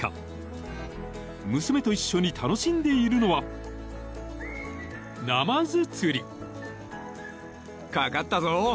［娘と一緒に楽しんでいるのはナマズ釣り］